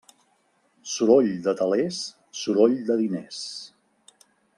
Soroll de telers, soroll de diners.